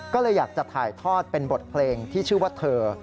ก็เลยอยากจะถ่ายทอดเป็นบทเพลงที่ชื่อว่าเธอ